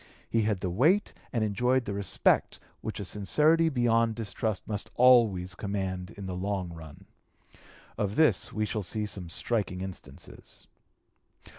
He had the weight and enjoyed the respect which a sincerity beyond distrust must always command in the long run. Of this we shall see some striking instances.